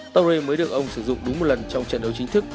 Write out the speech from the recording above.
touré mới được ông sử dụng đúng một lần trong trận đấu chính thức